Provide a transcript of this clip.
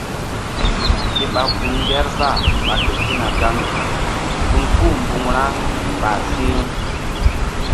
Ke ɓa gun Ŋgerzah ɓa ketina gaŋ gun kú-u mbuŋ ra ɓah si̧h-u.